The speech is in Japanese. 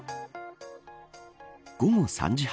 午後３時半。